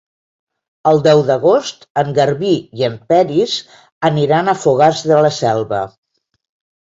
El deu d'agost en Garbí i en Peris aniran a Fogars de la Selva.